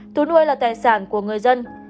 thú nuôi là tài sản của người dân